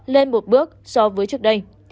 lên một bước so với trước đây